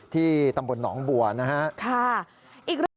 ที่ตำบลหนองบัวนะฮะค่ะอีกละ